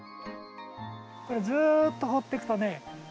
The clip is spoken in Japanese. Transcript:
これずっと放っておくとね